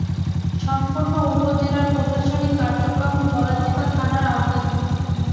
সম্পূর্ণ উপজেলার প্রশাসনিক কার্যক্রম গলাচিপা থানার আওতাধীন।